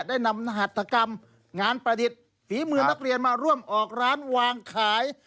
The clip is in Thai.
ได้นำหัตถกรรมงานประดิษฐ์ฝีมือนักเรียนมาร่วมออกร้านวางขาย